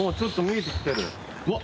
うわっ！